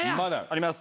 あります。